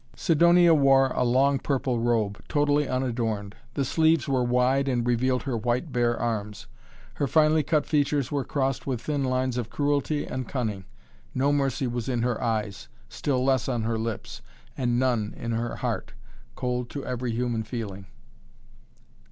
Sidonia wore a long, purple robe, totally unadorned. The sleeves were wide, and revealed her white, bare arms. Her finely cut features were crossed with thin lines of cruelty and cunning. No mercy was in her eyes, still less on her lips, and none in her heart, cold to every human feeling.